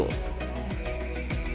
cara pembuatan colenak ini adalah